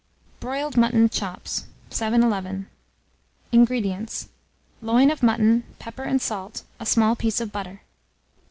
BROILED MUTTON CHOPS. 711. INGREDIENTS. Loin of mutton, pepper and salt, a small piece of butter.